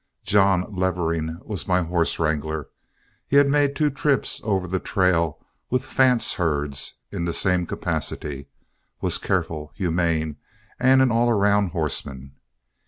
John Levering was my horse wrangler. He had made two trips over the trail with Fant's herds in the same capacity, was careful, humane, and an all round horseman.